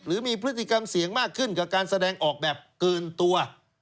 หรือมีพฤติกรรมเสี่ยงมากขึ้นกับการแสดงออกแบบเกินตัว